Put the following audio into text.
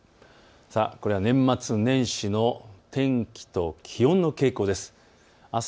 これは年末年始の天気と気温の傾向です。